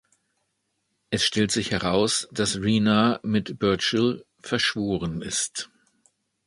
Es stellt sich heraus, dass Rena mit Burchill verschworen ist.